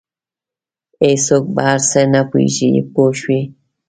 هېڅوک په هر څه نه پوهېږي پوه شوې!.